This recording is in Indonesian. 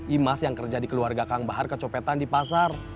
imas yang kerja di keluarga kang bahar kecopetan di pasar